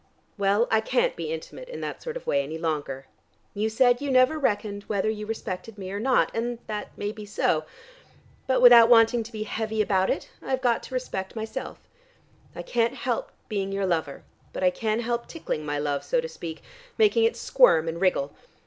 Well, I can't be intimate in that sort of way any longer. You said you never reckoned whether you respected me or not, and that may be so. But without wanting to be heavy about it, I have got to respect myself. I can't help being your lover, but I can help tickling my love, so to speak, making it squirm and wriggle.